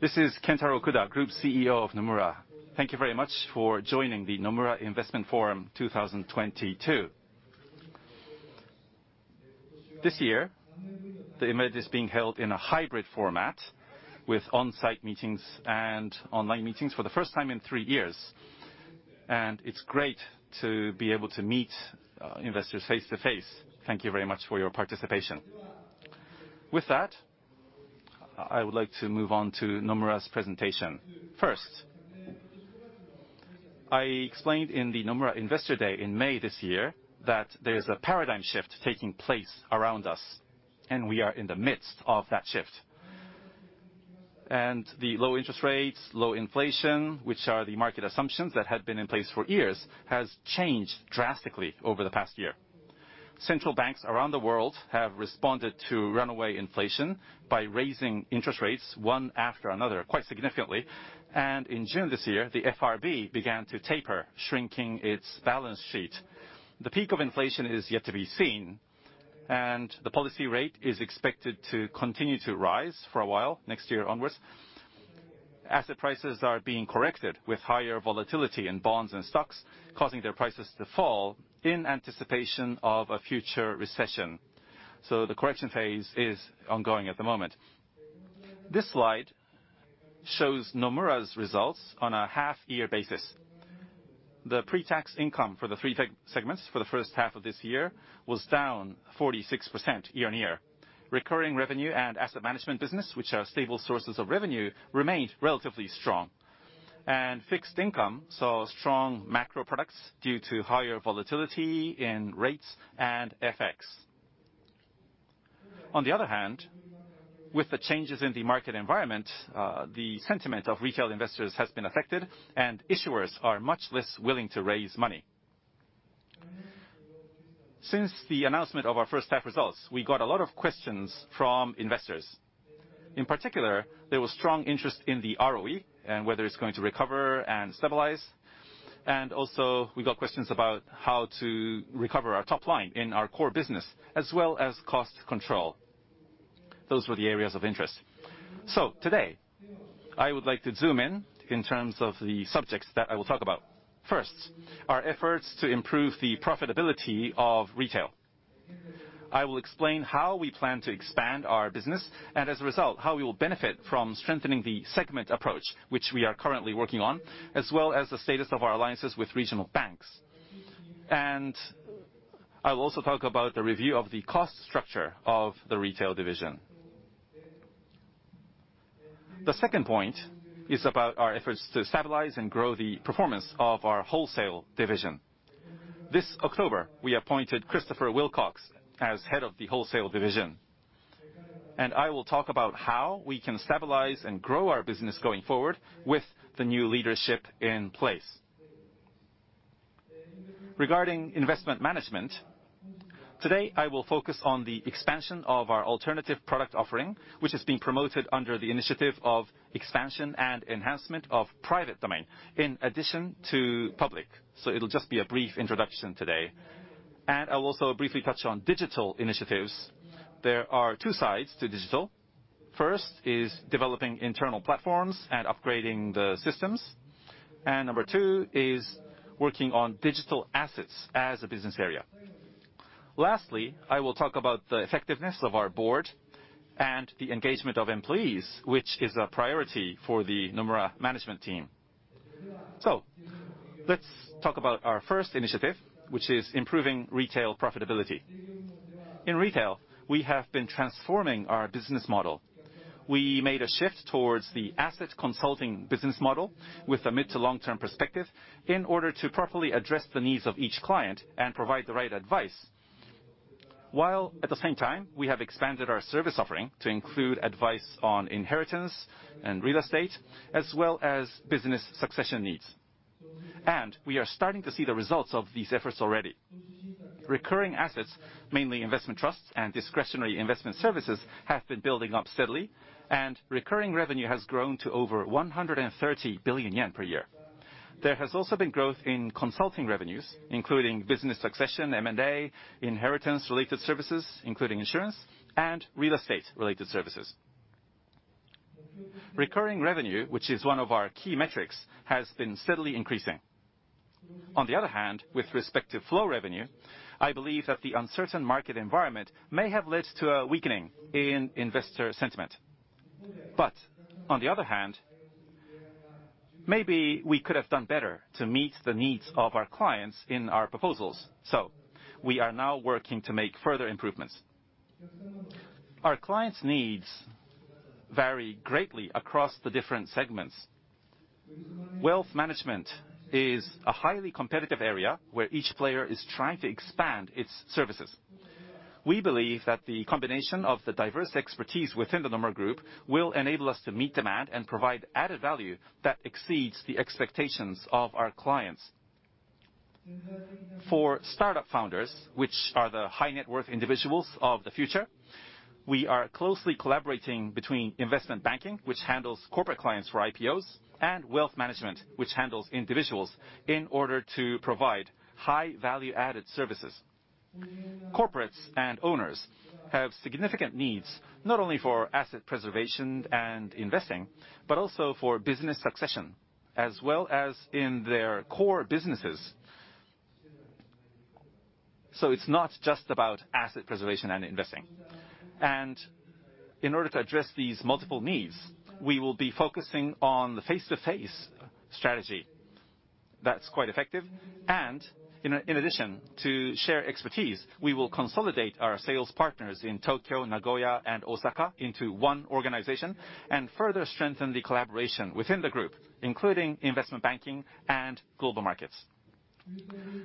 This is Kentaro Okuda, Group CEO of Nomura. Thank you very much for joining the Nomura Investment Forum 2022. This year, the event is being held in a hybrid format with on-site meetings and online meetings for the first time in three years. It's great to be able to meet investors face to face. Thank you very much for your participation. With that, I would like to move on to Nomura's presentation. First, I explained in the Nomura Investor Day in May this year that there's a paradigm shift taking place around us, and we are in the midst of that shift. The low interest rates, low inflation, which are the market assumptions that had been in place for years, has changed drastically over the past year. Central banks around the world have responded to runaway inflation by raising interest rates one after another, quite significantly. In June this year, the FRB began to taper shrinking its balance sheet. The peak of inflation is yet to be seen, the policy rate is expected to continue to rise for a while next year onwards. Asset prices are being corrected with higher volatility in bonds and stocks, causing their prices to fall in anticipation of a future recession. The correction phase is ongoing at the moment. This slide shows Nomura's results on a half year basis. The pre-tax income for the three segments for the first half of this year was down 46% year-on-year. Recurring revenue and asset management business, which are stable sources of revenue, remained relatively strong. Fixed income saw strong macro products due to higher volatility in rates and FX. On the other hand, with the changes in the market environment, the sentiment of retail investors has been affected and issuers are much less willing to raise money. Since the announcement of our first half results, we got a lot of questions from investors. In particular, there was strong interest in the ROE and whether it's going to recover and stabilize. Also we got questions about how to recover our top line in our core business, as well as cost control. Those were the areas of interest. Today, I would like to zoom in terms of the subjects that I will talk about. First, our efforts to improve the profitability of retail. I will explain how we plan to expand our business, and as a result, how we will benefit from strengthening the segment approach, which we are currently working on, as well as the status of our alliances with regional banks. I will also talk about the review of the cost structure of the Retail Division. The second point is about our efforts to stabilize and grow the performance of our Wholesale Division. This October, we appointed Christopher Willcox as Head of the Wholesale Division. I will talk about how we can stabilize and grow our business going forward with the new leadership in place. Regarding Investment Management, today I will focus on the expansion of our alternative product offering, which is being promoted under the initiative of expansion and enhancement of private domain in addition to public. It'll just be a brief introduction today. I'll also briefly touch on digital initiatives. There are two sides to digital. First is developing internal platforms and upgrading the systems. Number two is working on digital assets as a business area. Lastly, I will talk about the effectiveness of our board and the engagement of employees, which is a priority for the Nomura management team. Let's talk about our first initiative, which is improving retail profitability. In retail, we have been transforming our business model. We made a shift towards the asset consulting business model with a mid to long-term perspective in order to properly address the needs of each client and provide the right advice. While at the same time, we have expanded our service offering to include advice on inheritance and real estate, as well as business succession needs. We are starting to see the results of these efforts already. Recurring assets, mainly investment trusts and discretionary investment services, have been building up steadily, and recurring revenue has grown to over 130 billion yen per year. There has also been growth in consulting revenues, including business succession, M&A, inheritance-related services, including insurance, and real estate-related services. Recurring revenue, which is one of our key metrics, has been steadily increasing. On the other hand, with respective flow revenue, I believe that the uncertain market environment may have led to a weakening in investor sentiment. On the other hand, maybe we could have done better to meet the needs of our clients in our proposals. We are now working to make further improvements. Our clients' needs vary greatly across the different segments. Wealth management is a highly competitive area where each player is trying to expand its services. We believe that the combination of the diverse expertise within the Nomura Group will enable us to meet demand and provide added value that exceeds the expectations of our clients. For startup founders, which are the high net worth individuals of the future, we are closely collaborating between investment banking, which handles corporate clients for IPOs, and wealth management, which handles individuals in order to provide high value-added services. Corporates and owners have significant needs, not only for asset preservation and investing, but also for business succession, as well as in their core businesses. It's not just about asset preservation and investing. In order to address these multiple needs, we will be focusing on the face-to-face strategy that's quite effective. In addition to share expertise, we will consolidate our sales partners in Tokyo, Nagoya, and Osaka into one organization and further strengthen the collaboration within the group, including investment banking and global markets.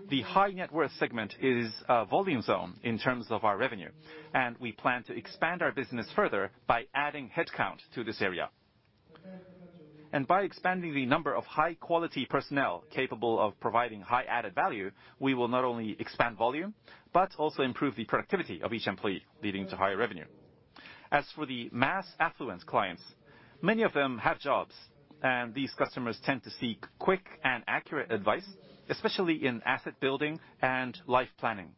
The high net worth segment is a volume zone in terms of our revenue, and we plan to expand our business further by adding head count to this area. By expanding the number of high quality personnel capable of providing high added value, we will not only expand volume, but also improve the productivity of each employee, leading to higher revenue. As for the mass affluent clients, many of them have jobs, and these customers tend to seek quick and accurate advice, especially in asset building and life planning.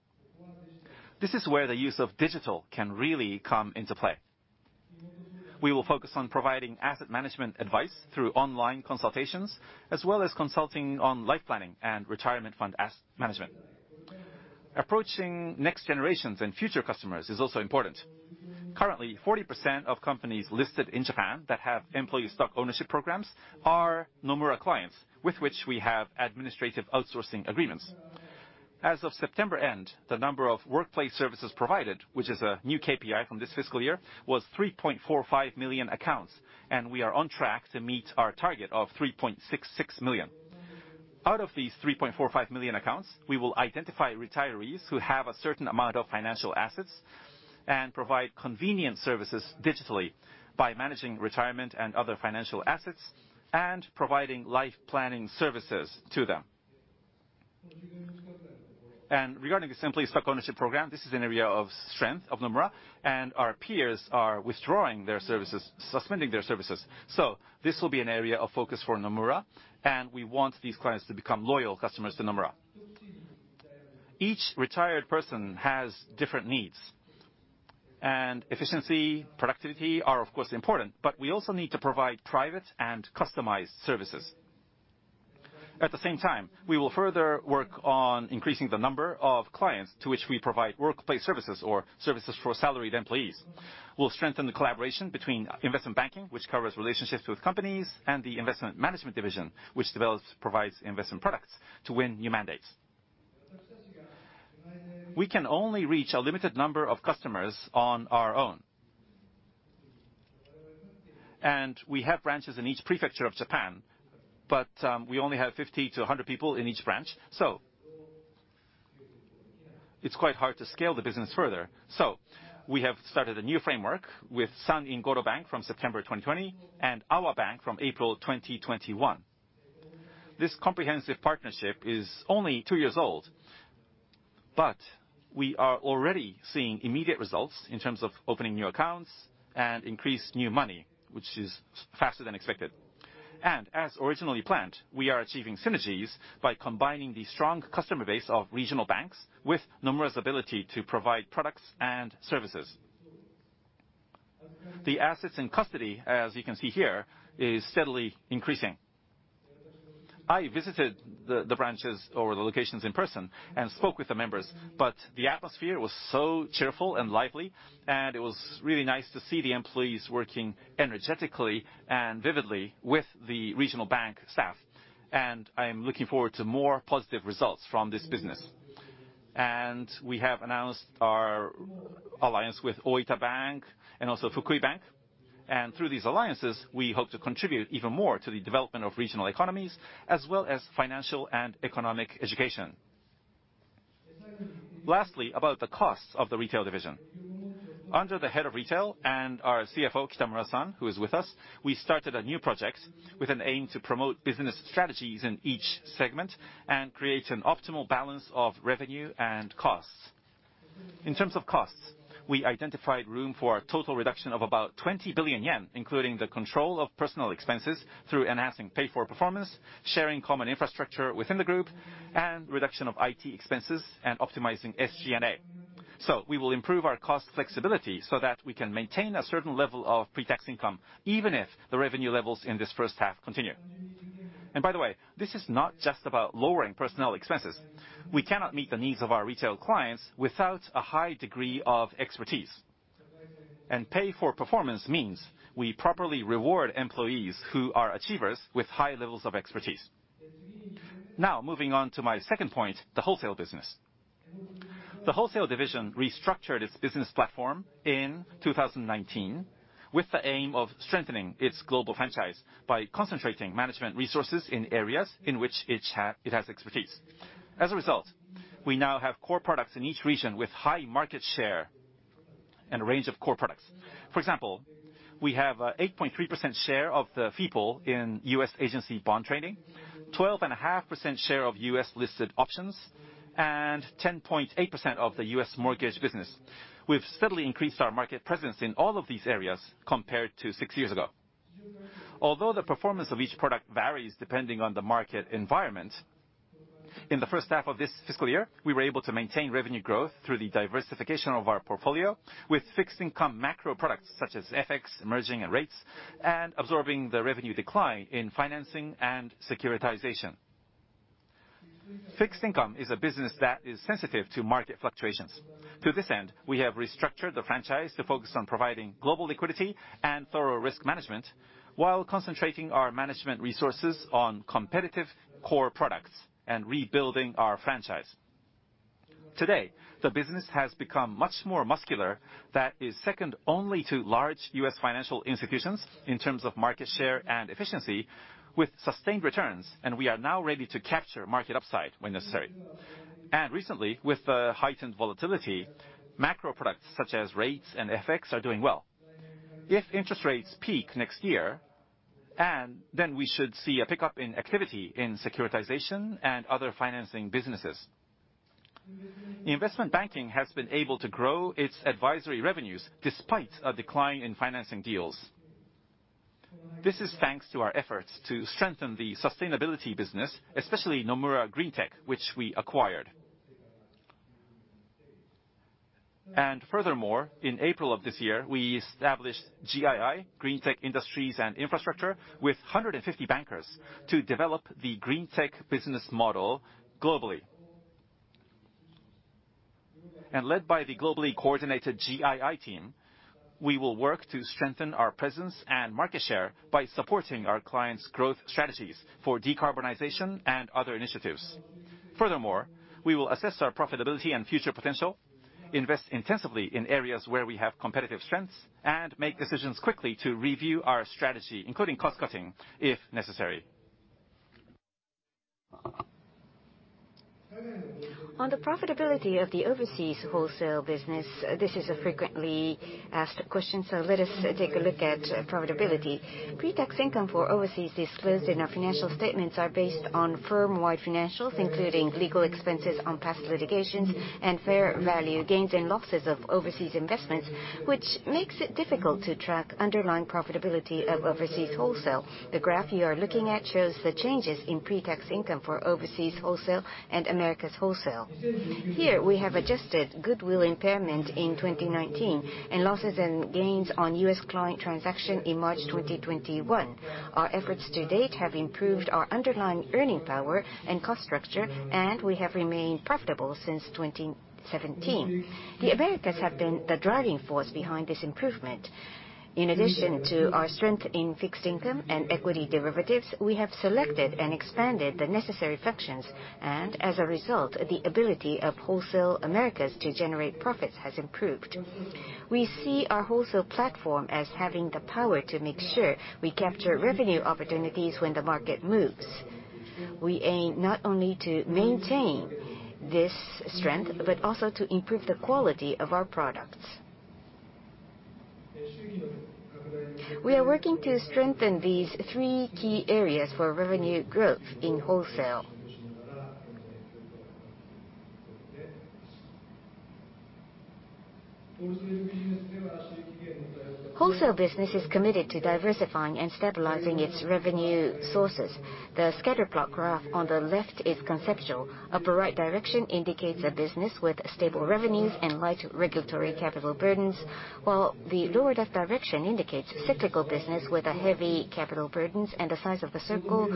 This is where the use of digital can really come into play. We will focus on providing asset management advice through online consultations, as well as consulting on life planning and retirement fund asset management. Approaching next generations and future customers is also important. Currently, 40% of companies listed in Japan that have employee stock ownership programs are Nomura clients with which we have administrative outsourcing agreements. As of September end, the number of workplace services provided, which is a new KPI from this fiscal year, was 3.45 million accounts, and we are on track to meet our target of 3.66 million. Out of these 3.45 million accounts, we will identify retirees who have a certain amount of financial assets and provide convenient services digitally by managing retirement and other financial assets and providing life planning services to them. Regarding the employee stock ownership program, this is an area of strength of Nomura, our peers are suspending their services. This will be an area of focus for Nomura, and we want these clients to become loyal customers to Nomura. Each retired person has different needs, and efficiency, productivity are of course important, but we also need to provide private and customized services. At the same time, we will further work on increasing the number of clients to which we provide workplace services or services for salaried employees. We'll strengthen the collaboration between investment banking, which covers relationships with companies, and the investment management division, which provides investment products to win new mandates. We can only reach a limited number of customers on our own. We have branches in each prefecture of Japan, but we only have 50-100 people in each branch, so it's quite hard to scale the business further. We have started a new framework with San-in Godo Bank from September 2020 and Awa Bank from April 2021. This comprehensive partnership is only two years old, but we are already seeing immediate results in terms of opening new accounts and increased new money, which is faster than expected. As originally planned, we are achieving synergies by combining the strong customer base of regional banks with Nomura's ability to provide products and services. The assets in custody, as you can see here, is steadily increasing. I visited the branches or the locations in person and spoke with the members, but the atmosphere was so cheerful and lively, and it was really nice to see the employees working energetically and vividly with the regional bank staff. I am looking forward to more positive results from this business. We have announced our alliance with Oita Bank and also Fukui Bank. Through these alliances, we hope to contribute even more to the development of regional economies, as well as financial and economic education. Lastly, about the costs of the retail division. Under the Head of Retail and our CFO, Kitamura-san, who is with us, we started a new project with an aim to promote business strategies in each segment and create an optimal balance of revenue and costs. In terms of costs, we identified room for a total reduction of about 20 billion yen, including the control of personal expenses through enhancing pay for performance, sharing common infrastructure within the group, and reduction of IT expenses and optimizing SG&A. We will improve our cost flexibility so that we can maintain a certain level of pre-tax income, even if the revenue levels in this first half continue. By the way, this is not just about lowering personnel expenses. We cannot meet the needs of our retail clients without a high degree of expertise. Pay for performance means we properly reward employees who are achievers with high levels of expertise. Now, moving on to my second point, the wholesale business. The Wholesale Division restructured its business platform in 2019 with the aim of strengthening its global franchise by concentrating management resources in areas in which it has expertise. As a result, we now have core products in each region with high market share and a range of core products. For example, we have a 8.3% share of the people in U.S. agency bond trading, 12.5% share of U.S. listed options, and 10.8% of the U.S. mortgage business. We've steadily increased our market presence in all of these areas compared to six years ago. Although the performance of each product varies depending on the market environment, in the first half of this fiscal year, we were able to maintain revenue growth through the diversification of our portfolio with fixed income macro products such as FX, emerging, and rates, and absorbing the revenue decline in financing and securitization. Fixed income is a business that is sensitive to market fluctuations. To this end, we have restructured the franchise to focus on providing global liquidity and thorough risk management while concentrating our management resources on competitive core products and rebuilding our franchise. Today, the business has become much more muscular that is second only to large U.S. financial institutions in terms of market share and efficiency with sustained returns, and we are now ready to capture market upside when necessary. Recently, with the heightened volatility, macro products such as rates and FX are doing well. If interest rates peak next year, we should see a pickup in activity in securitization and other financing businesses. Investment banking has been able to grow its advisory revenues despite a decline in financing deals. This is thanks to our efforts to strengthen the sustainability business, especially Nomura Greentech, which we acquired. Furthermore, in April of this year, we established GII, Greentech Industrials & Infrastructure, with 150 bankers to develop the Greentech business model globally. Led by the globally coordinated GII team, we will work to strengthen our presence and market share by supporting our clients' growth strategies for decarbonization and other initiatives. Furthermore, we will assess our profitability and future potential, invest intensively in areas where we have competitive strengths, and make decisions quickly to review our strategy, including cost cutting if necessary. On the profitability of the overseas wholesale business, this is a frequently asked question. Let us take a look at profitability. Pre-tax income for overseas disclosed in our financial statements are based on firm-wide financials, including legal expenses on past litigations and fair value gains and losses of overseas investments, which makes it difficult to track underlying profitability of overseas wholesale. The graph you are looking at shows the changes in pre-tax income for overseas wholesale and Americas Wholesale. Here, we have adjusted goodwill impairment in 2019, and losses and gains on U.S. client transaction in March 2021. Our efforts to date have improved our underlying earning power and cost structure. We have remained profitable since 2017. The Americas have been the driving force behind this improvement. In addition to our strength in fixed income and equity derivatives, we have selected and expanded the necessary functions. As a result, the ability of Wholesale Americas to generate profits has improved. We see our wholesale platform as having the power to make sure we capture revenue opportunities when the market moves. We aim not only to maintain this strength, but also to improve the quality of our products. We are working to strengthen these three key areas for revenue growth in wholesale. Wholesale business is committed to diversifying and stabilizing its revenue sources. The scatter plot graph on the left is conceptual. Upper right direction indicates a business with stable revenues and light regulatory capital burdens, while the lower left direction indicates cyclical business with a heavy capital burdens. The size of the circle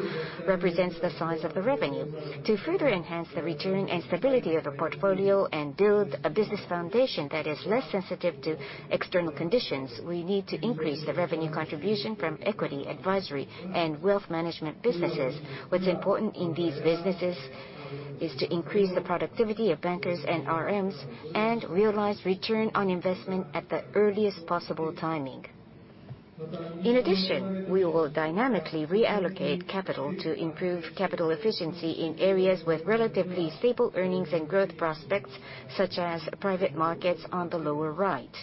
represents the size of the revenue. To further enhance the return and stability of the portfolio and build a business foundation that is less sensitive to external conditions, we need to increase the revenue contribution from equity, advisory, and wealth management businesses. What's important in these businesses is to increase the productivity of bankers and RMs and realize return on investment at the earliest possible timing. We will dynamically reallocate capital to improve capital efficiency in areas with relatively stable earnings and growth prospects, such as private markets on the lower right.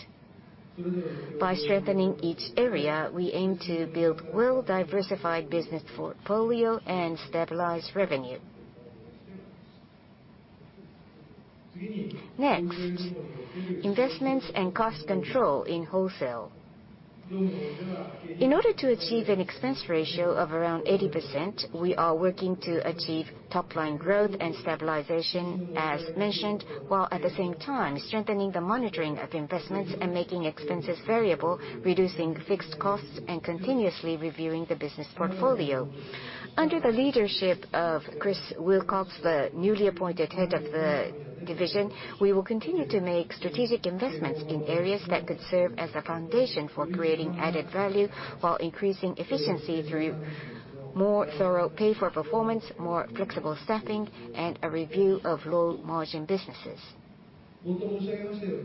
By strengthening each area, we aim to build well-diversified business portfolio and stabilize revenue. Investments and cost control in wholesale. In order to achieve an expense ratio of around 80%, we are working to achieve top-line growth and stabilization as mentioned, while at the same time strengthening the monitoring of investments and making expenses variable, reducing fixed costs, and continuously reviewing the business portfolio. Under the leadership of Christopher Willcox, the newly appointed Head of the Division, we will continue to make strategic investments in areas that could serve as a foundation for creating added value while increasing efficiency through more thorough pay for performance, more flexible staffing, and a review of low-margin businesses.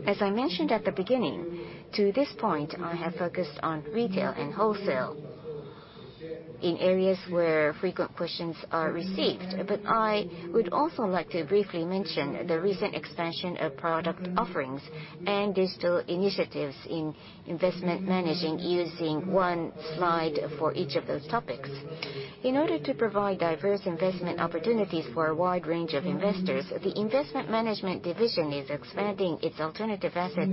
As I mentioned at the beginning, to this point, I have focused on retail and wholesale, in areas where frequent questions are received. I would also like to briefly mention the recent expansion of product offerings and digital initiatives in investment managing using one slide for each of those topics. In order to provide diverse investment opportunities for a wide range of investors, the investment management division is expanding its alternative asset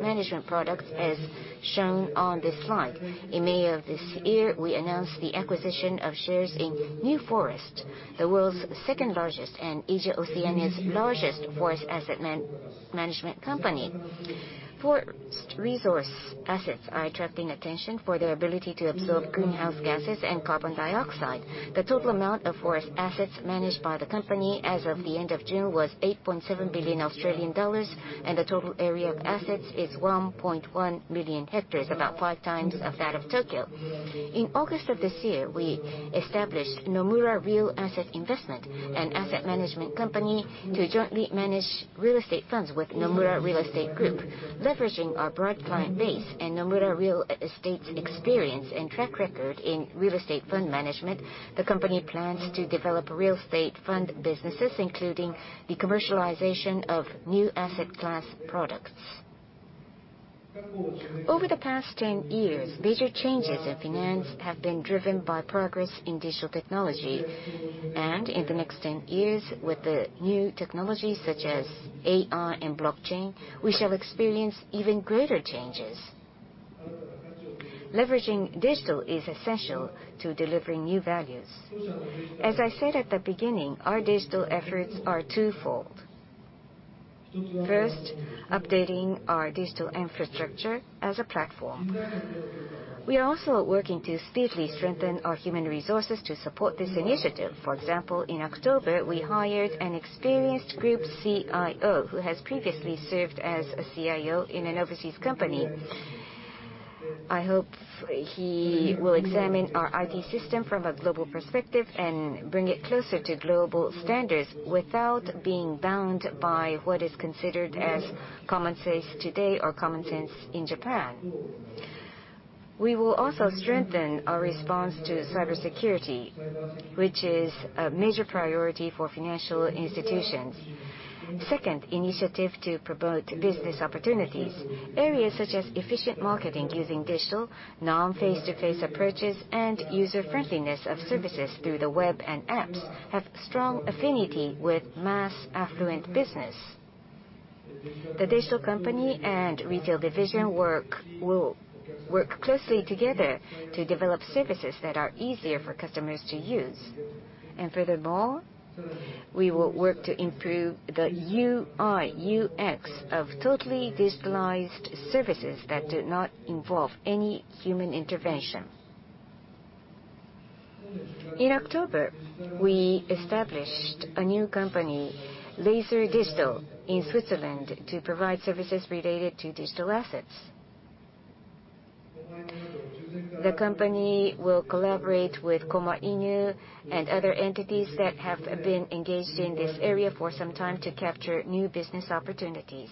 management products as shown on this slide. In May of this year, we announced the acquisition of shares in New Forests, the world's second-largest and Asia Oceania's largest forest asset management company. Forest resource assets are attracting attention for their ability to absorb greenhouse gases and carbon dioxide. The total amount of forest assets managed by the company as of the end of June was 8.7 billion Australian dollars, and the total area of assets is 1.1 million hectares, about 5x of that of Tokyo. In August of this year, we established Nomura Real Asset Investment, an asset management company to jointly manage real estate funds with Nomura Real Estate Group. Leveraging our broad client base and Nomura Real Estate's experience and track record in real estate fund management, the company plans to develop real estate fund businesses, including the commercialization of new asset class products. Over the past 10 years, major changes in finance have been driven by progress in digital technology, and in the next 10 years, with the new technologies such as AI and blockchain, we shall experience even greater changes. Leveraging digital is essential to delivering new values. As I said at the beginning, our digital efforts are twofold. First, updating our digital infrastructure as a platform. We are also working to speedily strengthen our human resources to support this initiative. For example, in October, we hired an experienced group CIO, who has previously served as a CIO in an overseas company. I hope he will examine our IT system from a global perspective and bring it closer to global standards without being bound by what is considered as common sense today or common sense in Japan. We will also strengthen our response to cybersecurity, which is a major priority for financial institutions. Second initiative to promote business opportunities, areas such as efficient marketing using digital, non-face-to-face approaches, and user-friendliness of services through the web and apps have strong affinity with mass affluent business. The digital company and retail division work will work closely together to develop services that are easier for customers to use. Furthermore, we will work to improve the UI/UX of totally digitalized services that do not involve any human intervention. In October, we established a new company, Laser Digital, in Switzerland to provide services related to digital assets. The company will collaborate with Komainu and other entities that have been engaged in this area for some time to capture new business opportunities.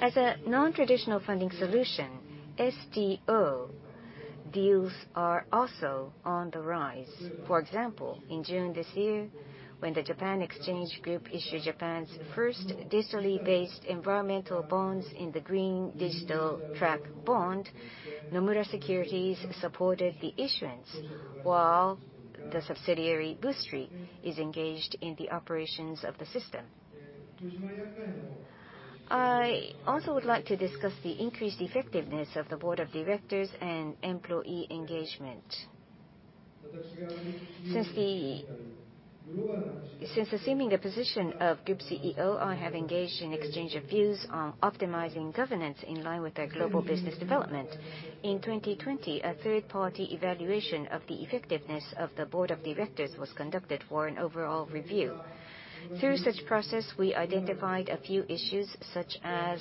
As a non-traditional funding solution, SDO deals are also on the rise. For example, in June this year, when the Japan Exchange Group issued Japan's first digitally based environmental bonds in the Green Digital Track Bond, Nomura Securities supported the issuance, while the subsidiary BOOSTRY is engaged in the operations of the system. I also would like to discuss the increased effectiveness of the board of directors and employee engagement. Since assuming the position of Group CEO, I have engaged in exchange of views on optimizing governance in line with our global business development. In 2020, a third-party evaluation of the effectiveness of the board of directors was conducted for an overall review. Through such process, we identified a few issues, such as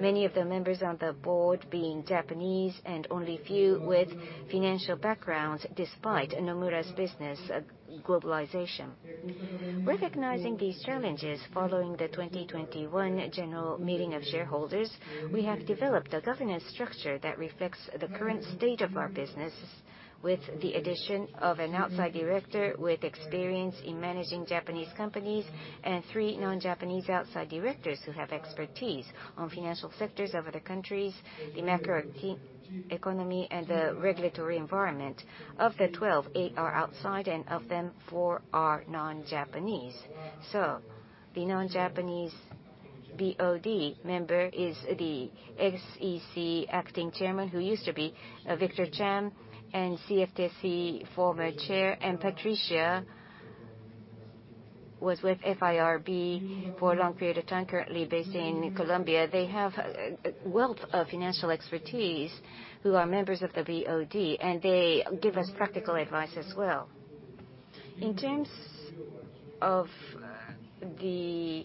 many of the members on the board being Japanese and only few with financial backgrounds despite Nomura's business globalization. Recognizing these challenges following the 2021 general meeting of shareholders, we have developed a governance structure that reflects the current state of our business with the addition of an outside director with experience in managing Japanese companies and three non-Japanese outside directors who have expertise on financial sectors of other countries, the macroeconomy, and the regulatory environment. Of the 12, eight are outside, and of them, four are non-Japanese. The non-Japanese BoD member is the SEC acting chairman, who used to be Victor Chu and CFTC former chair, and Patricia was with FIRB for a long period of time, currently based in Colombia. They have a wealth of financial expertise who are members of the BoD. They give us practical advice as well. In terms of the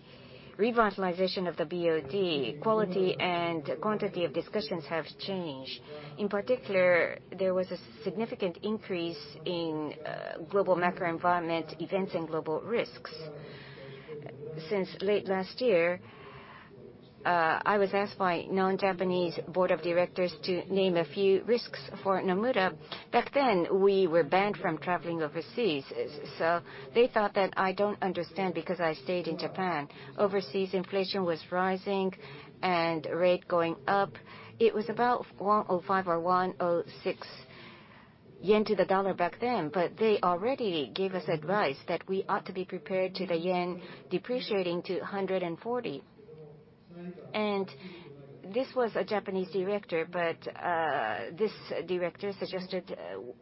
revitalization of the BoD, quality and quantity of discussions have changed. In particular, there was a significant increase in global macro environment events and global risks. Since late last year, I was asked by non-Japanese board of directors to name a few risks for Nomura. Back then, we were banned from traveling overseas. They thought that I don't understand because I stayed in Japan. Overseas inflation was rising. Rate going up. It was about 105 or 106 yen to the dollar back then. They already gave us advice that we ought to be prepared to the yen depreciating to 140. This was a Japanese director, but this director suggested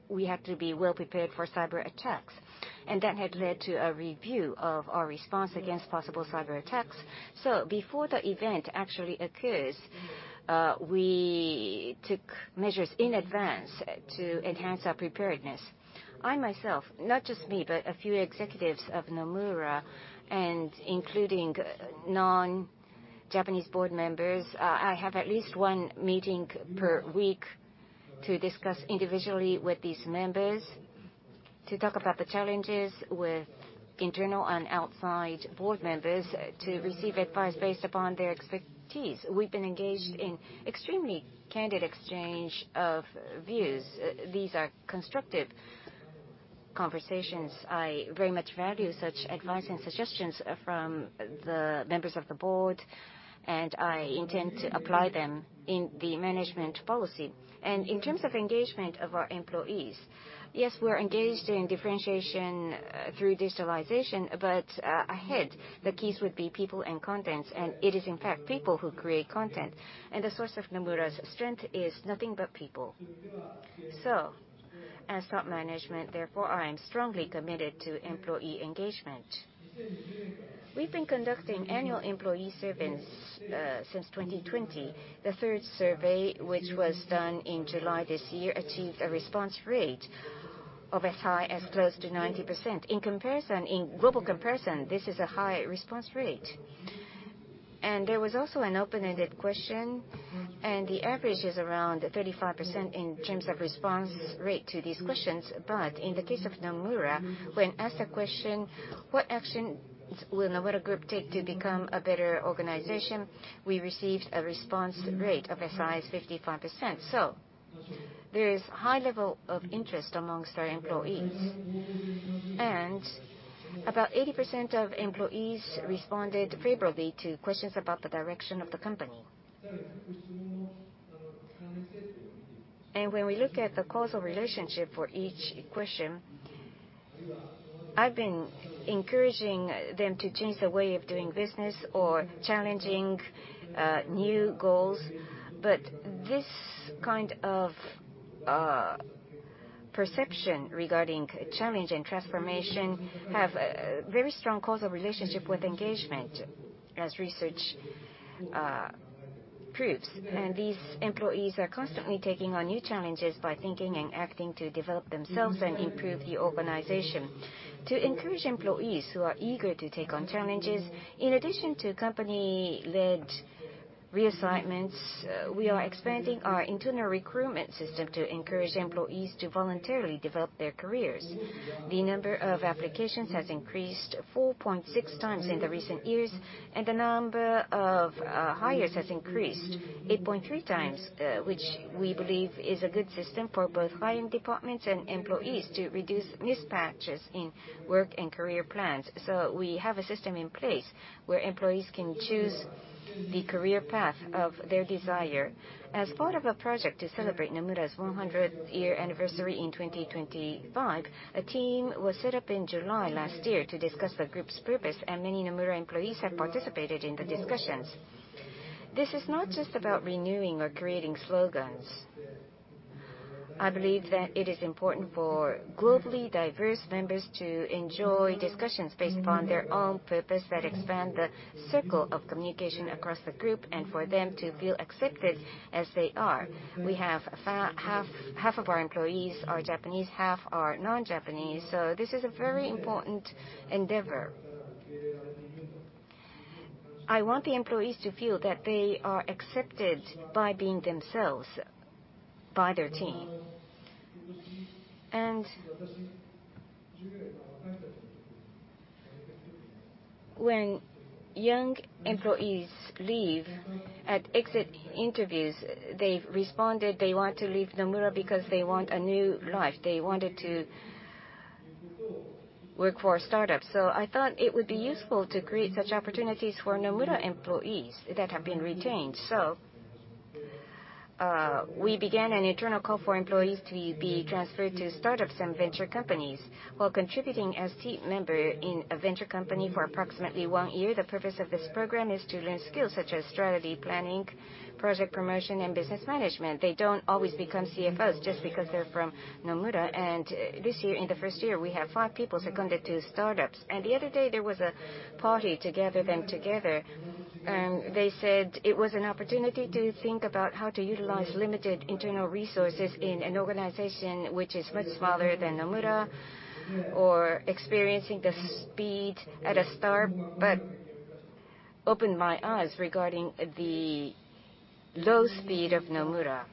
we have to be well prepared for cyberattacks. That had led to a review of our response against possible cyberattacks. Before the event actually occurs, we took measures in advance to enhance our preparedness. I myself, not just me, but a few executives of Nomura and including non-Japanese board members, I have at least one meeting per week to discuss individually with these members to talk about the challenges with internal and outside board members to receive advice based upon their expertise. We've been engaged in extremely candid exchange of views. These are constructive conversations. I very much value such advice and suggestions from the members of the board. I intend to apply them in the management policy. In terms of engagement of our employees, yes, we are engaged in differentiation through digitalization, but, ahead the keys would be people and content, it is in fact people who create content. The source of Nomura's strength is nothing but people. As top management, therefore, I am strongly committed to employee engagement. We've been conducting annual employee surveys since 2020. The third survey, which was done in July this year, achieved a response rate of as high as close to 90%. In comparison, in global comparison, this is a high response rate. There was also an open-ended question, the average is around 35% in terms of response rate to these questions. In the case of Nomura, when asked the question, "What actions will Nomura Group take to become a better organization?" We received a response rate of as high as 55%. About 80% of employees responded favorably to questions about the direction of the company. When we look at the causal relationship for each question, I've been encouraging them to change the way of doing business or challenging new goals. This kind of perception regarding challenge and transformation have a very strong causal relationship with engagement, as research proves. These employees are constantly taking on new challenges by thinking and acting to develop themselves and improve the organization. To encourage employees who are eager to take on challenges, in addition to company-led reassignments, we are expanding our internal recruitment system to encourage employees to voluntarily develop their careers. The number of applications has increased 4.6x in the recent years, and the number of hires has increased 8.3x, which we believe is a good system for both hiring departments and employees to reduce mismatches in work and career plans. We have a system in place where employees can choose the career path of their desire. As part of a project to celebrate Nomura's 100-year anniversary in 2025, a team was set up in July last year to discuss the group's purpose, and many Nomura employees have participated in the discussions. This is not just about renewing or creating slogans. I believe that it is important for globally diverse members to enjoy discussions based upon their own purpose that expand the circle of communication across the group and for them to feel accepted as they are. We have half of our employees are Japanese, half are non-Japanese, this is a very important endeavor. I want the employees to feel that they are accepted by being themselves by their team. When young employees leave, at exit interviews, they've responded they want to leave Nomura because they want a new life. They wanted to work for a startup, I thought it would be useful to create such opportunities for Nomura employees that have been retained. We began an internal call for employees to be transferred to startups and venture companies while contributing as team member in a venture company for approximately one year. The purpose of this program is to learn skills such as strategy planning, project promotion, and business management. They don't always become CFOs just because they're from Nomura. This year, in the first year, we have five people seconded to startups. The other day, there was a party to gather them together. They said it was an opportunity to think about how to utilize limited internal resources in an organization which is much smaller than Nomura or experiencing the speed at a start. Opened my eyes regarding the low speed of Nomura.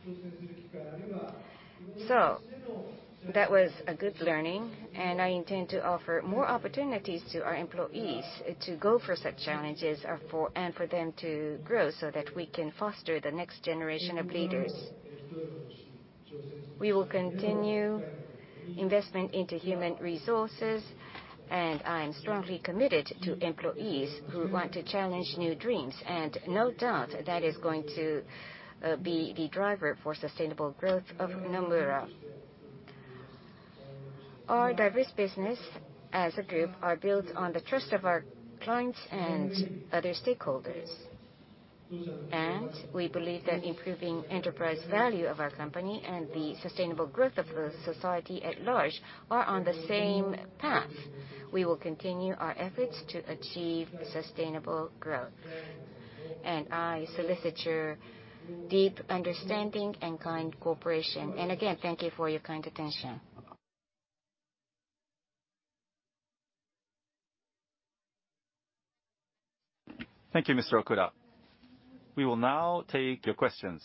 That was a good learning. I intend to offer more opportunities to our employees to go for such challenges and for them to grow so that we can foster the next generation of leaders. We will continue investment into human resources, and I am strongly committed to employees who want to challenge new dreams. No doubt, that is going to be the driver for sustainable growth of Nomura. Our diverse business as a group are built on the trust of our clients and other stakeholders. We believe that improving enterprise value of our company and the sustainable growth of the society at large are on the same path. We will continue our efforts to achieve sustainable growth. I solicit your deep understanding and kind cooperation. Again, thank you for your kind attention. Thank you, Mr. Okuda. We will now take your questions.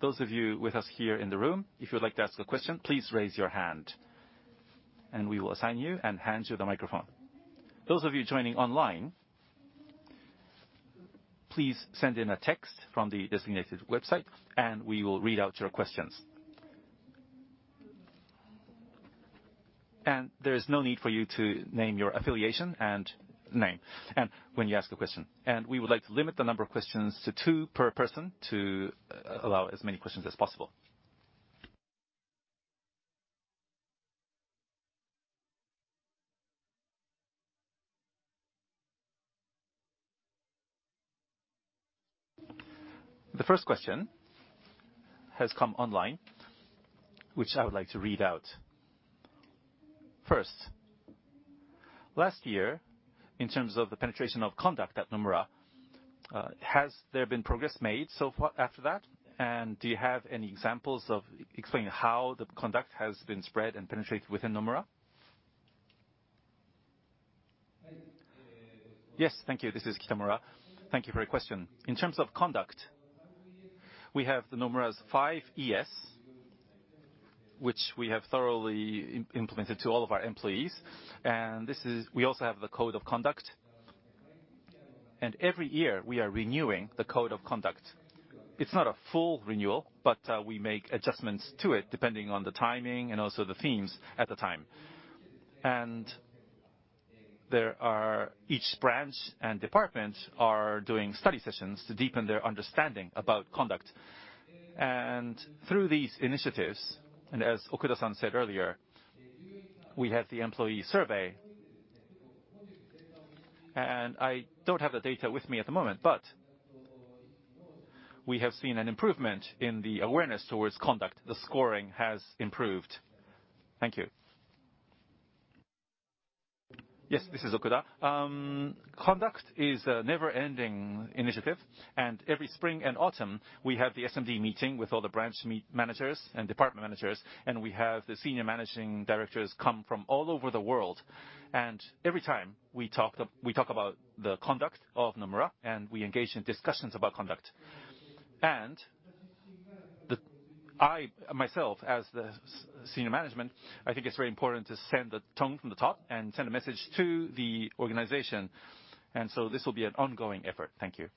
Those of you with us here in the room, if you would like to ask a question, please raise your hand, and we will assign you and hand you the microphone. Those of you joining online, please send in a text from the designated website, and we will read out your questions. There is no need for you to name your affiliation and name when you ask a question. We would like to limit the number of questions to two per person to allow as many questions as possible. The first question has come online, which I would like to read out. First, last year, in terms of the penetration of conduct at Nomura, has there been progress made so far after that? Do you have any examples of...? Explain how the conduct has been spread and penetrated within Nomura? Yes. Thank you. This is Kitamura. Thank you for your question. In terms of conduct, we have the Nomura's 5 YES, which we have thoroughly implemented to all of our employees. We also have the code of conduct. Every year, we are renewing the code of conduct. It's not a full renewal, we make adjustments to it depending on the timing and also the themes at the time. Each branch and departments are doing study sessions to deepen their understanding about conduct. Through these initiatives, as Okuda-san said earlier, we have the employee survey. I don't have the data with me at the moment, we have seen an improvement in the awareness towards conduct. The scoring has improved. Thank you. Yes, this is Okuda. Conduct is a never-ending initiative. Every spring and autumn, we have the SMD meeting with all the branch meet managers and department managers, and we have the senior managing directors come from all over the world. Every time, we talk about the conduct of Nomura, and we engage in discussions about conduct. I, myself, as the senior management, I think it's very important to send the tone from the top and send a message to the organization. This will be an ongoing effort. Thank you.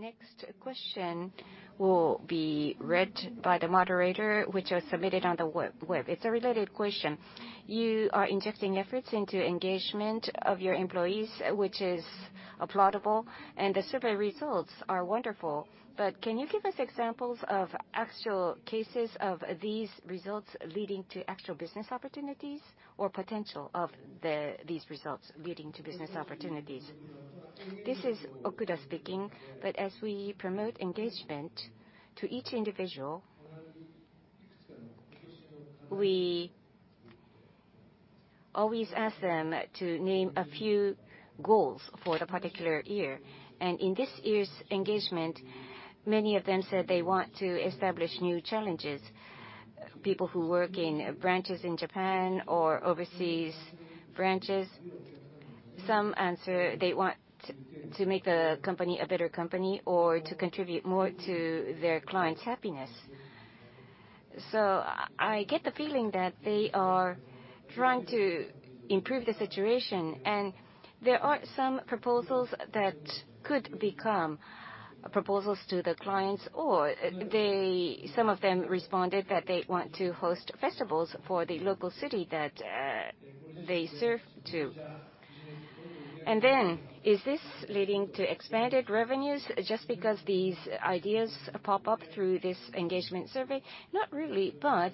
The next question will be read by the moderator, which was submitted on the web. It's a related question. You are injecting efforts into engagement of your employees, which is applaudable, and the survey results are wonderful. Can you give us examples of actual cases of these results leading to actual business opportunities or these results leading to business opportunities? This is Okuda speaking. As we promote engagement to each individual, we always ask them to name a few goals for the particular year. In this year's engagement, many of them said they want to establish new challenges. People who work in branches in Japan or overseas branches, some answer they want to make the company a better company or to contribute more to their clients' happiness. I get the feeling that they are trying to improve the situation, and there are some proposals that could become proposals to the clients, or some of them responded that they want to host festivals for the local city that they serve to. Is this leading to expanded revenues just because these ideas pop up through this engagement survey? Not really, but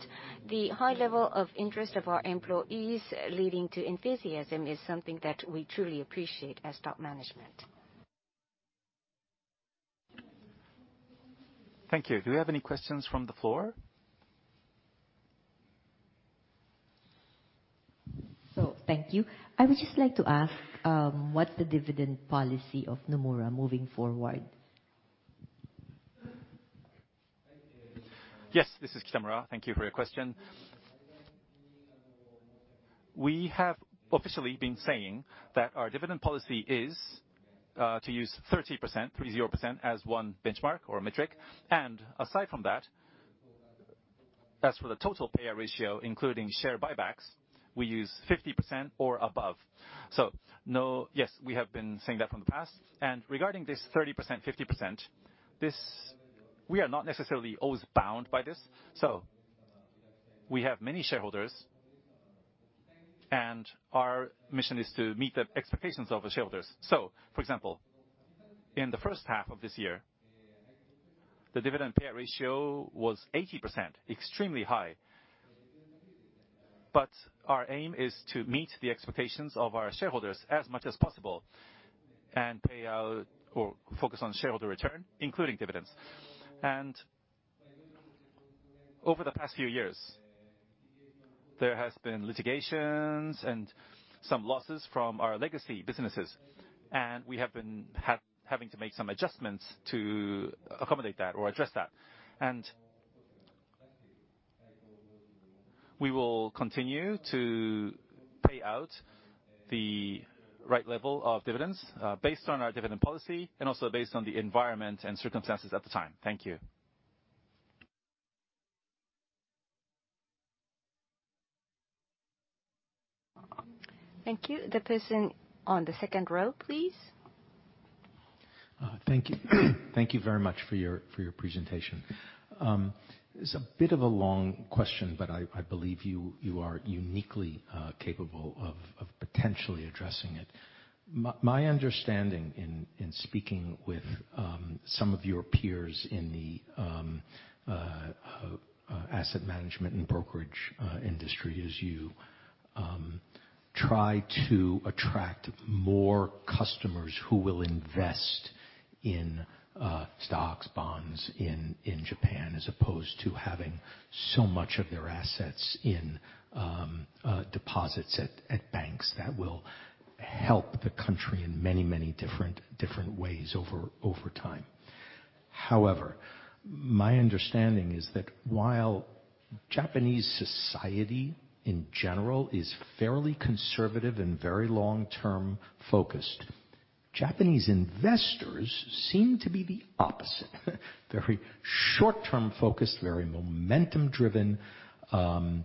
the high level of interest of our employees leading to enthusiasm is something that we truly appreciate as top management. Thank you. Do we have any questions from the floor? Thank you. I would just like to ask, what's the dividend policy of Nomura moving forward? Yes, this is Kitamura. Thank you for your question. We have officially been saying that our dividend policy is to use 30%-30% as one benchmark or metric. Aside from that, as for the total payout ratio including share buybacks, we use 50% or above. Yes, we have been saying that from the past. Regarding this 30%-50%, this, we are not necessarily always bound by this. We have many shareholders, and our mission is to meet the expectations of the shareholders. For example, in the first half of this year, the dividend payout ratio was 80%, extremely high. Our aim is to meet the expectations of our shareholders as much as possible and pay out or focus on shareholder return, including dividends. Over the past few years, there has been litigations and some losses from our legacy businesses, and we have been having to make some adjustments to accommodate that or address that. We will continue to pay out the right level of dividends, based on our dividend policy and also based on the environment and circumstances at the time. Thank you. Thank you. The person on the second row, please. Thank you. Thank you very much for your presentation. It's a bit of a long question, but I believe you are uniquely capable of potentially addressing it. My understanding in speaking with some of your peers in the asset management and brokerage industry is you try to attract more customers who will invest in stocks, bonds in Japan, as opposed to having so much of their assets in deposits at banks that will help the country in many different ways over time. However, my understanding is that while Japanese society in general is fairly conservative and very long-term focused, Japanese investors seem to be the opposite, very short-term focused, very momentum-driven. An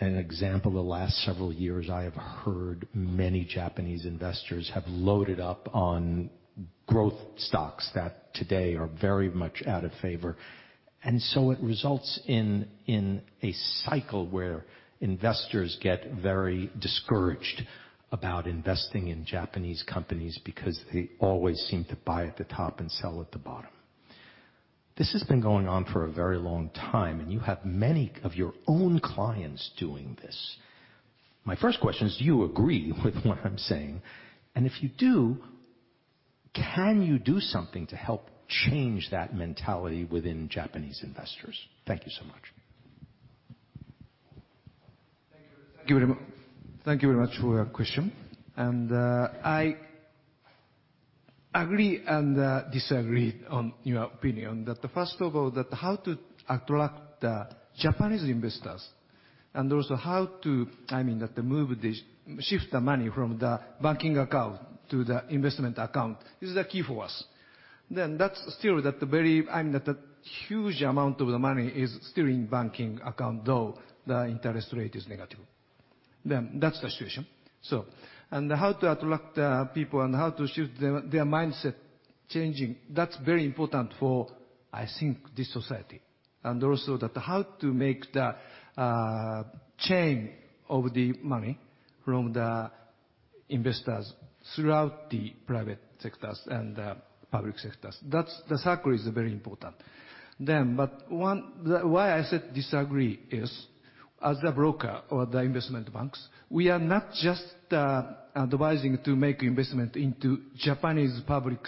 example, the last several years I have heard many Japanese investors have loaded up on growth stocks that today are very much out of favor, it results in a cycle where investors get very discouraged about investing in Japanese companies because they always seem to buy at the top and sell at the bottom. This has been going on for a very long time, and you have many of your own clients doing this. My first question is, do you agree with what I'm saying? If you do, can you do something to help change that mentality within Japanese investors? Thank you so much. Thank you very much. Thank you very much for your question. I agree and disagree on your opinion that first of all, that how to attract Japanese investors and also how to move the, shift the money from the banking account to the investment account is the key for us. That's still very, I mean, a huge amount of the money is still in banking account, though the interest rate is negative. That's the situation. How to attract people and how to shift their mindset changing, that's very important for, I think, this society. Also that how to make the chain of the money from the investors throughout the private sectors and public sectors. That's the circle is very important. But one... Why I said disagree is, as the broker or the investment banks, we are not just advising to make investment into Japanese public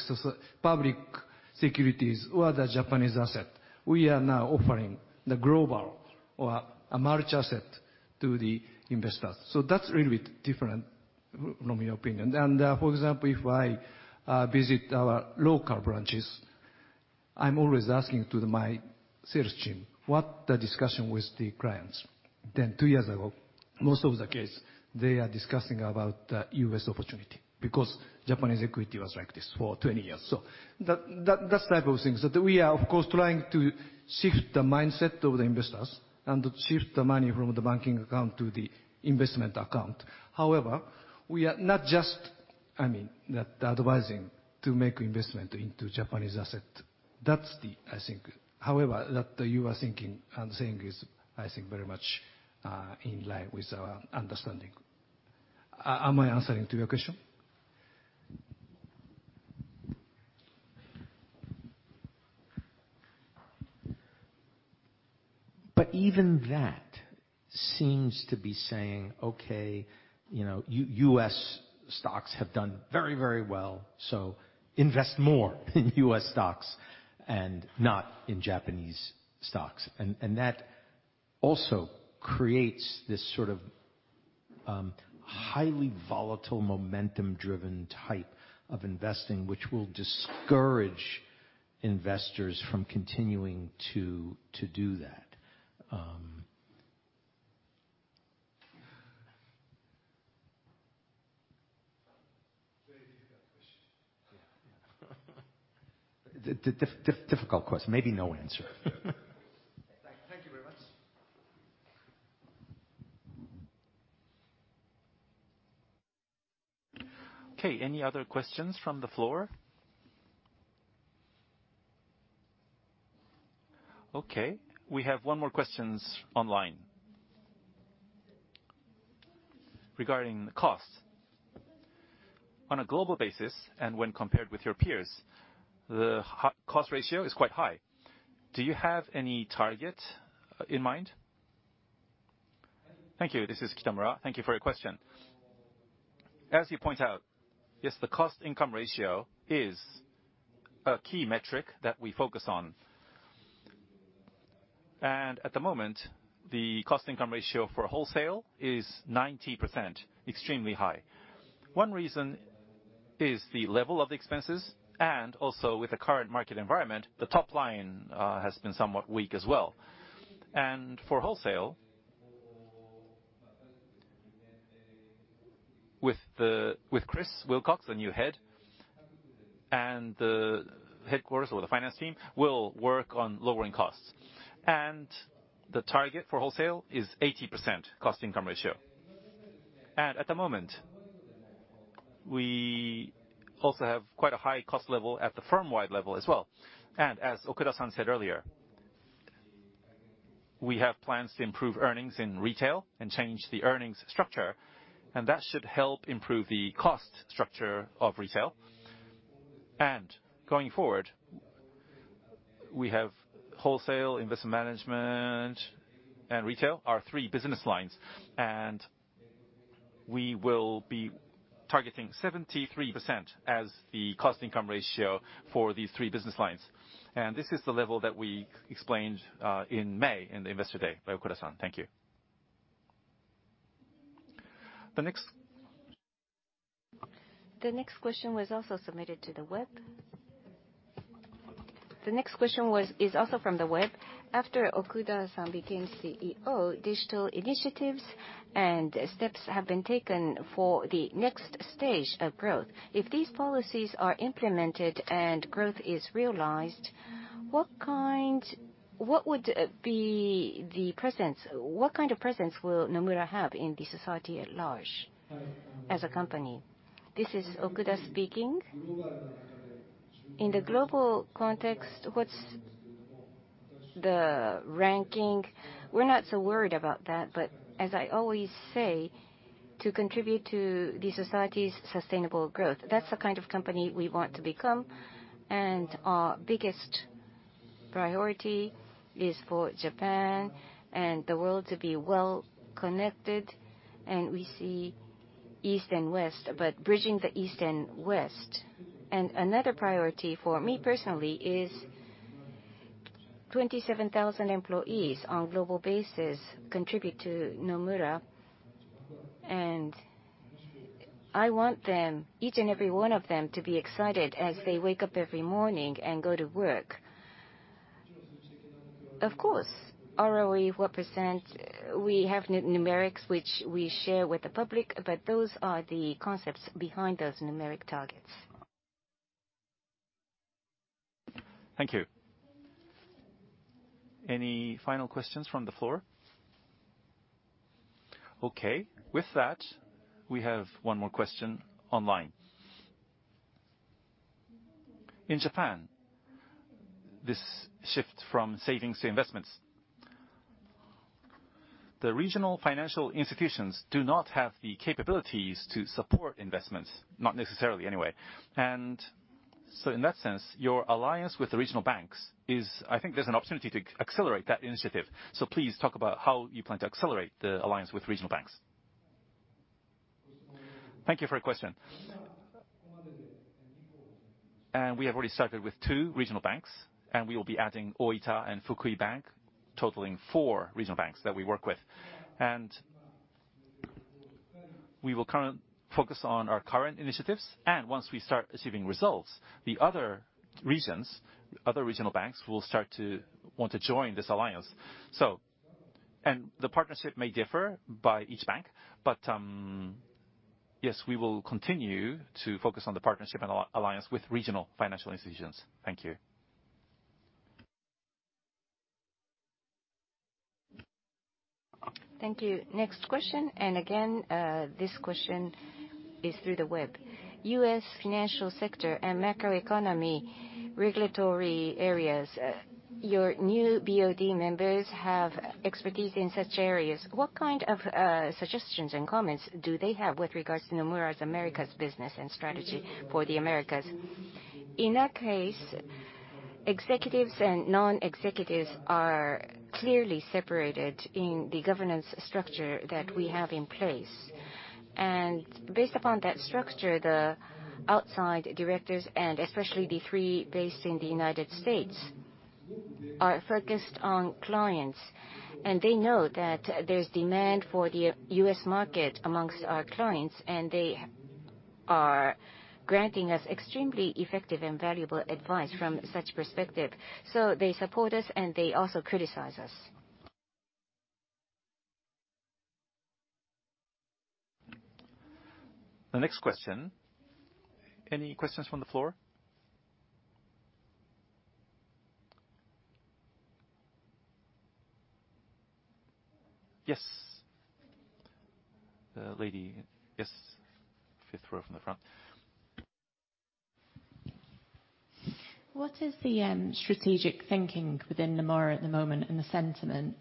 securities or the Japanese asset. We are now offering the global or a multi-asset to the investors. That's a little bit different from your opinion. For example, if I visit our local branches, I'm always asking to my sales team what the discussion with the clients. Two years ago, most of the case they are discussing about U.S. opportunity because Japanese equity was like this for 20 years. That type of things. That we are of course trying to shift the mindset of the investors and to shift the money from the banking account to the investment account. However, we are not just, I mean, not advising to make investment into Japanese asset. That's the, I think. However, that you are thinking and saying is, I think, very much in line with our understanding. Am I answering to your question? Even that seems to be saying, "Okay, you know, U.S. stocks have done very well, invest more in U.S. stocks and not in Japanese stocks." That also creates this sort of highly volatile momentum driven type of investing, which will discourage investors from continuing to do that. Difficult question. Maybe no answer. Thank you very much. Okay. Any other questions from the floor? Okay, we have one more questions online. Regarding the cost, on a global basis and when compared with your peers, the cost ratio is quite high. Do you have any target in mind? Thank you. This is Kitamura. Thank you for your question. As you point out, yes, the cost income ratio is a key metric that we focus on. At the moment, the cost income ratio for wholesale is 90%, extremely high. One reason is the level of expenses, also with the current market environment, the top line has been somewhat weak as well. For wholesale, with Chris Willcox, the new head, and the headquarters or the finance team will work on lowering costs. The target for wholesale is 80% cost income ratio. At the moment, we also have quite a high cost level at the firm-wide level as well. As Okuda-san said earlier, we have plans to improve earnings in retail and change the earnings structure, and that should help improve the cost structure of retail. Going forward, we have wholesale investment management and retail are three business lines, and we will be targeting 73% as the cost income ratio for these three business lines. This is the level that we explained in May in the Nomura Investor Day by Okuda-san. Thank you. The next question is also from the web. After Okuda-san became CEO, digital initiatives and steps have been taken for the next stage of growth. If these policies are implemented and growth is realized, what would be the presence? What kind of presence will Nomura have in the society at large as a company? This is Okuda speaking. In the global context, what's the ranking? We're not so worried about that, but as I always say, to contribute to the society's sustainable growth, that's the kind of company we want to become, and our biggest priority is for Japan and the world to be well connected. We see East and West, but bridging the East and West. Another priority for me personally is 27,000 employees on global basis contribute to Nomura, and I want them, each and every one of them, to be excited as they wake up every morning and go to work. Of course, ROE what percent, we have numerics which we share with the public, but those are the concepts behind those numeric targets. Thank you. Any final questions from the floor? Okay, with that, we have one more question online. In Japan, this shift from savings to investments, the regional financial institutions do not have the capabilities to support investments, not necessarily anyway. In that sense, your alliance with the regional banks, I think there's an opportunity to accelerate that initiative. Please talk about how you plan to accelerate the alliance with regional banks. Thank you for your question. We have already started with two regional banks, and we will be adding Oita and Fukui Bank, totaling four regional banks that we work with. We will focus on our current initiatives, and once we start achieving results, other regional banks will start to want to join this alliance. The partnership may differ by each bank, but yes, we will continue to focus on the partnership and alliance with regional financial institutions. Thank you. Thank you. Next question, and again, this question is through the web. U.S. financial sector and macroeconomy regulatory areas, your new BoD members have expertise in such areas. What kind of suggestions and comments do they have with regards to Nomura's Americas business and strategy for the Americas? In that case, executives and non-executives are clearly separated in the governance structure that we have in place. Based upon that structure, the outside directors, and especially the three based in the United States, are focused on clients, and they know that there's demand for the U.S. Market amongst our clients, and they are granting us extremely effective and valuable advice from such perspective. They support us, and they also criticize us. The next question. Any questions from the floor? Yes. The lady... Yes. Fifth row from the front. What is the strategic thinking within Nomura at the moment and the sentiment?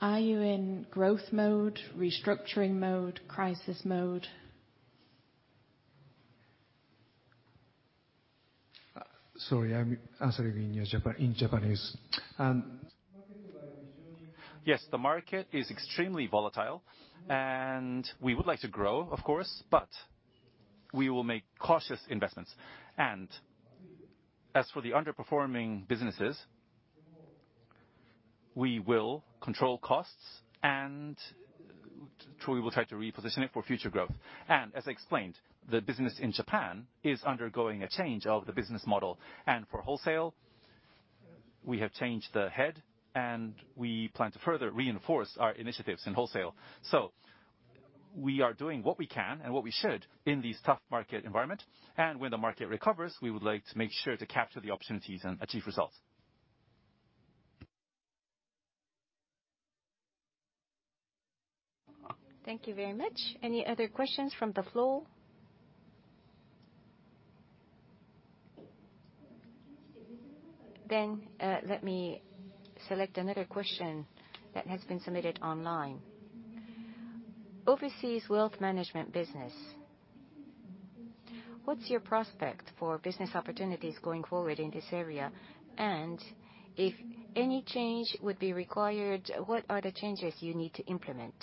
Are you in growth mode, restructuring mode, crisis mode? Sorry, I'm answering in Japanese. Yes, the market is extremely volatile, we would like to grow, of course, but we will make cautious investments. As for the underperforming businesses, we will control costs, we will try to reposition it for future growth. As I explained, the business in Japan is undergoing a change of the business model. For wholesale, we have changed the head, we plan to further reinforce our initiatives in wholesale. We are doing what we can and what we should in this tough market environment. When the market recovers, we would like to make sure to capture the opportunities and achieve results. Thank you very much. Any other questions from the floor? Let me select another question that has been submitted online. Overseas wealth management business, what's your prospect for business opportunities going forward in this area? If any change would be required, what are the changes you need to implement?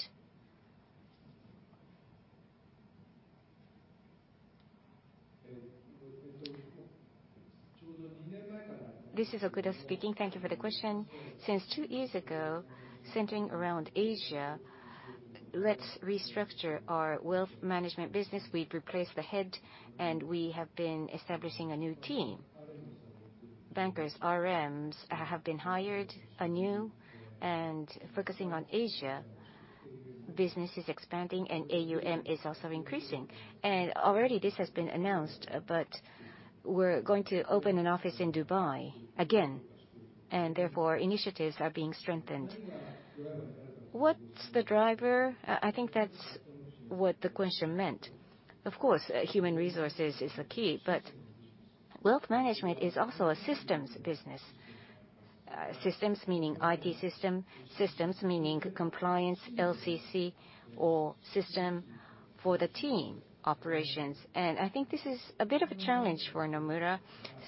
This is Okuda speaking. Thank you for the question. Since two years ago, centering around Asia, let's restructure our wealth management business. We've replaced the head, and we have been establishing a new team. Bankers, RMs, have been hired anew and focusing on Asia. Business is expanding, and AUM is also increasing. Already this has been announced, but we're going to open an office in Dubai again, and therefore, initiatives are being strengthened. What's the driver? I think that's what the question meant. Of course, human resources is a key, but wealth management is also a systems business. Systems meaning IT system, systems meaning compliance, LCC, or system for the team operations. I think this is a bit of a challenge for Nomura,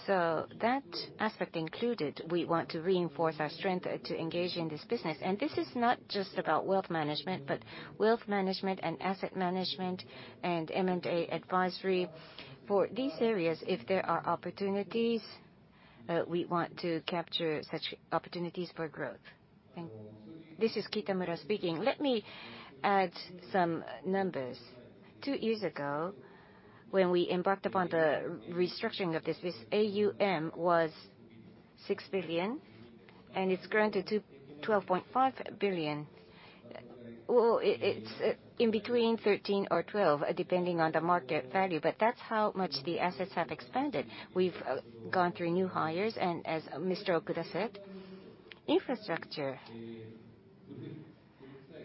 so that aspect included, we want to reinforce our strength to engage in this business. This is not just about wealth management, but wealth management, asset management, and M&A advisory. For these areas, if there are opportunities, we want to capture such opportunities for growth. Thank you. This is Kitamura speaking. Let me add some numbers. Two years ago, when we embarked upon the restructuring of this AUM was 6 billion, and it's grown to 12.5 billion. It's in between 13 or 12, depending on the market value, but that's how much the assets have expanded. We've gone through new hires, as Mr. Okuda said, infrastructure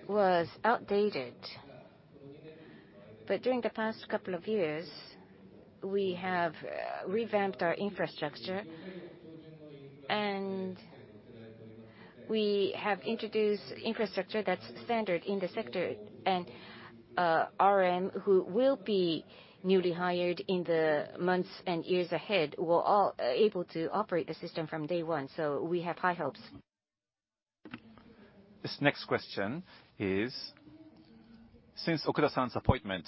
was outdated. During the past couple of years, we have revamped our infrastructure. We have introduced infrastructure that's standard in the sector. RM, who will be newly hired in the months and years ahead, will all able to operate the system from day one. We have high hopes. This next question is, since Okuda-san's appointment,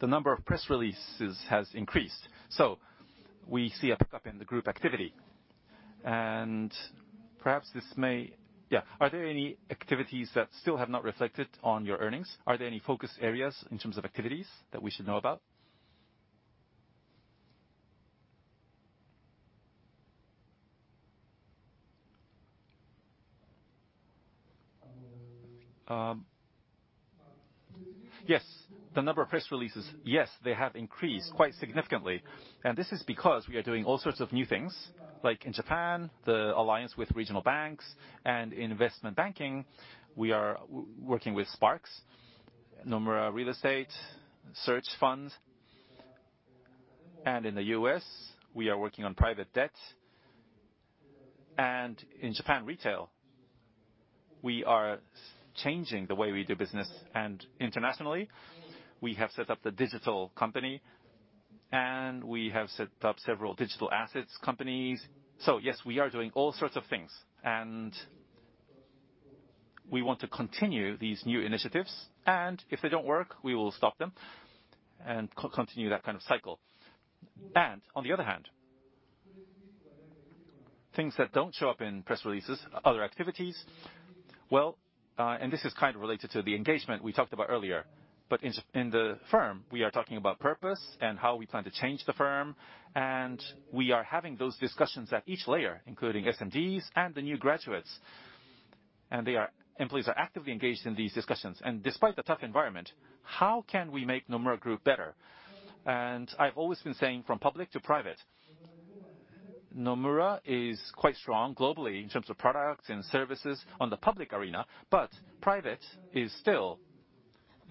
the number of press releases has increased, so we see a pickup in the group activity. Perhaps this may Yeah. Are there any activities that still have not reflected on your earnings? Are there any focus areas in terms of activities that we should know about? Yes. The number of press releases, yes, they have increased quite significantly. This is because we are doing all sorts of new things, like in Japan, the alliance with regional banks, in investment banking, we are working with SPARX Group, Nomura Real Estate, search funds. In the U.S., we are working on private debt. In Japan retail, we are changing the way we do business. Internationally, we have set up the digital company, and we have set up several digital assets companies. Yes, we are doing all sorts of things. We want to continue these new initiatives, and if they don't work, we will stop them and continue that kind of cycle. On the other hand, things that don't show up in press releases, other activities, well, this is kind of related to the engagement we talked about earlier. In the firm, we are talking about purpose and how we plan to change the firm, and we are having those discussions at each layer, including SMDs and the new graduates. Employees are actively engaged in these discussions. Despite the tough environment, how can we make Nomura Group better? I've always been saying from public to private, Nomura is quite strong globally in terms of products and services on the public arena, but private is still...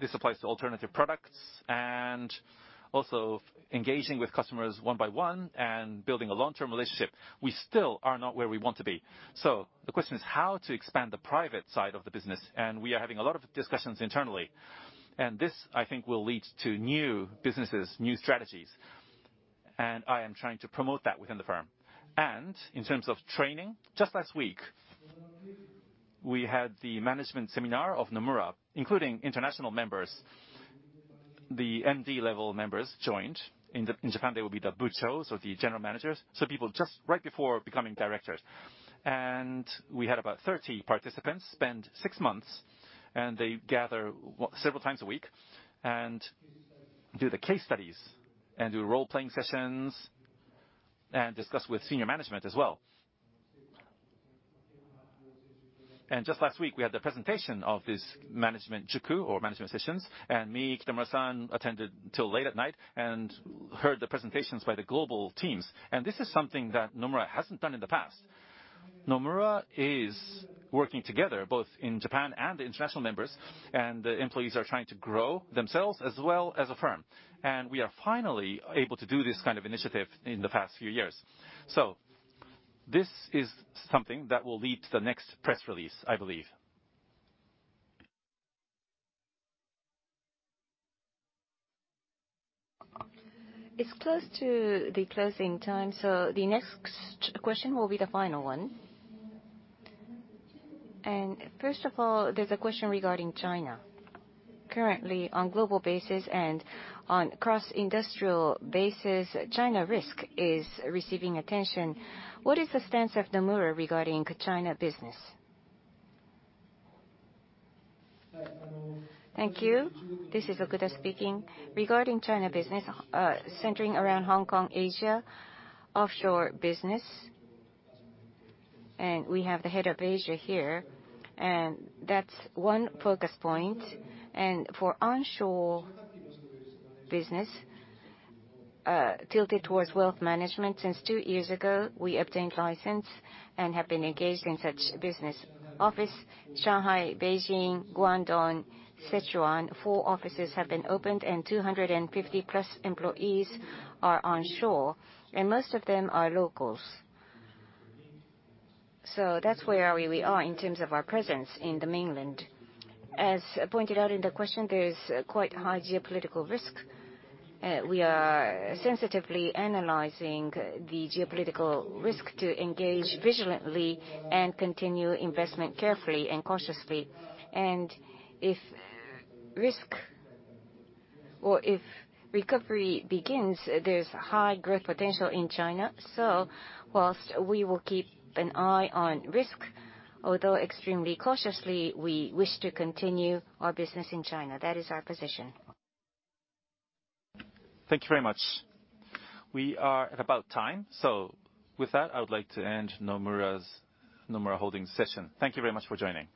This applies to alternative products and also engaging with customers one by one and building a long-term relationship. We still are not where we want to be. The question is how to expand the private side of the business, and we are having a lot of discussions internally. This, I think, will lead to new businesses, new strategies, and I am trying to promote that within the firm. In terms of training, just last week, we had the management seminar of Nomura, including international members. The MD level members joined. In Japan, they will be the Butchos or the general managers, so people just right before becoming directors. We had about 30 participants spend six months, and they gather several times a week and do the case studies and do role-playing sessions and discuss with senior management as well. Just last week, we had the presentation of this management Juku or management sessions, and me, Kitamura-san, attended till late at night and heard the presentations by the global teams. This is something that Nomura hasn't done in the past. Nomura is working together both in Japan and the international members, and the employees are trying to grow themselves as well as a firm. We are finally able to do this kind of initiative in the past few years. This is something that will lead to the next press release, I believe. It's close to the closing time, the next question will be the final one. First of all, there's a question regarding China. Currently, on global basis and on cross-industrial basis, China risk is receiving attention. What is the stance of Nomura regarding China business? Thank you. This is Kentaro Okuda speaking. Regarding China business, centering around Hong Kong, Asia, offshore business, we have the head of Asia here, that's one focus point. For onshore business, tilted towards wealth management, since two years ago, we obtained license and have been engaged in such business. Office Shanghai, Beijing, Guangdong, Sichuan, four offices have been opened, 250+ employees are onshore, most of them are locals. That's where we are in terms of our presence in the mainland. As pointed out in the question, there is quite high geopolitical risk. We are sensitively analyzing the geopolitical risk to engage vigilantly and continue investment carefully and cautiously. If risk or if recovery begins, there's high growth potential in China. Whilst we will keep an eye on risk, although extremely cautiously, we wish to continue our business in China. That is our position. Thank you very much. We are at about time. With that, I would like to end Nomura's Nomura Holdings session. Thank you very much for joining.